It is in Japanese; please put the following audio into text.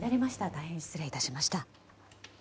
大変失礼いたしました。